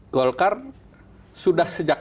golkar sudah sejak